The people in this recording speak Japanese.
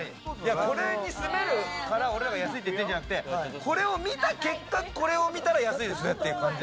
これに住めるから安いという意味じゃなくて、これを見た結果、これを見たら安いですねという感じ。